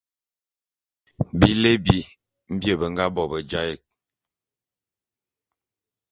Bilé bi mbie be nga bo be jaé'.